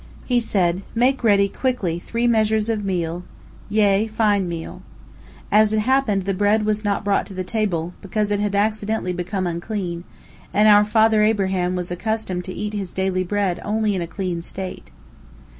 He said, "Make ready quickly three measures of meal, yea, fine meal." As it happened, the bread was not brought to the table, because it had accidentally become unclean, and our father Abraham was accustomed to eat his daily bread only in a clean state.